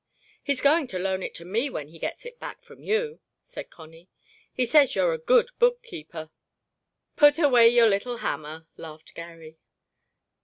"He's going to loan it to me when he gets it back from you," said Connie; "he says you're a good bookkeeper." "Put away your little hammer," laughed Garry.